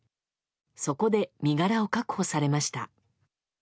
そこで身柄を確保されました。